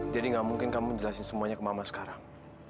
jadi gak mungkin kamu jelasin semuanya ke mama sekarang